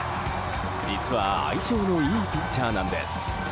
実は、相性のいいピッチャーなんです。